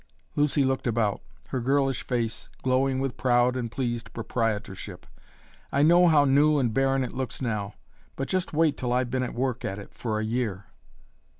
Lucy looked about, her girlish face glowing with proud and pleased proprietorship. "I know how new and barren it looks now, but just wait till I've been at work at it for a year!"